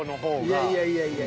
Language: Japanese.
いやいやいやいや。